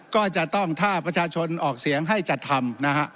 ก็จะต้องถ้าประชาชนออกเสียงให้จัดทำนะฮะ